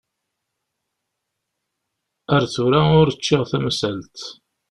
Ar tura ur ččiɣ tamsalt.